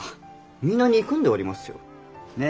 皆憎んでおりますよ。ねえ？